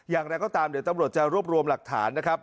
อย่างไรก็ตามเดี๋ยวตำรวจจะรวบรวมหลักฐานนะครับ